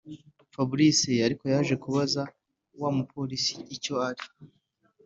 fabric ariko yaje kubaza wamupolice icyo ari